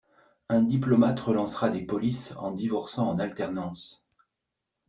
Un diplomate relancera des polices en divorçant en alternance.